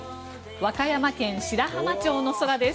和歌山県白浜町の空です。